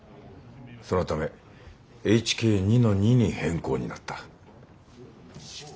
そのためＨＫ２−２に変更になった。